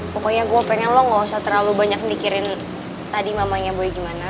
pokoknya gue pengen lo gak usah terlalu banyak mikirin tadi mamanya boy gimana